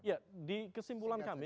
ya di kesimpulan kami